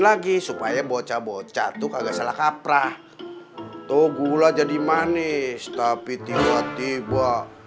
lagi supaya bocah bocah dukage salah kaprah tuh gula jadi manis tapi tidur tiba